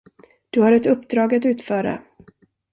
Du har ett uppdrag att utföra.